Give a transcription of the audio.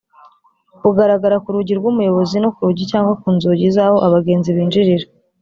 bugaragara ku rugi rw’umuyobozi no ku rugi cyangwa ku nzugi z’aho abagenzi binjirira